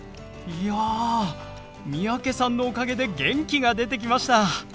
いや三宅さんのおかげで元気が出てきました！